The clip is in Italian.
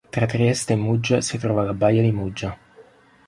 Tra Trieste e Muggia si trova la baia di Muggia.